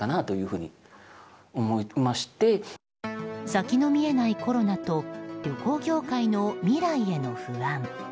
先の見えないコロナと旅行業界の未来への不安。